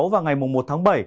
và ngày một tháng bảy